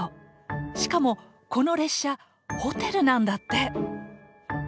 しかもこの列車ホテルなんだって！